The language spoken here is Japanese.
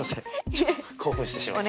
ちょっと興奮してしまった。